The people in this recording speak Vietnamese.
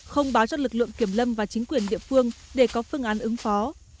không báo cho lực lượng kiểm lâm và chính quyền địa phương để có phương án ứng phó